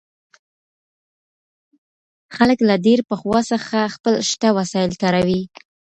خلګ له ډېر پخوا څخه خپل شته وسايل کاروي.